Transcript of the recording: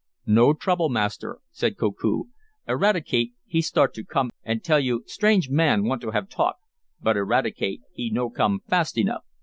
"No trouble, Master," said Koku. "Eradicate he start to come and tell you strange man want to have talk, but Eradicate he no come fast enough.